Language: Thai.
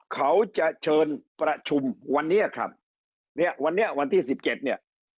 เขาจะเชิญประชุมวันนี้ครับเนี่ยวันนี้วันที่สิบเจ็ดเนี่ย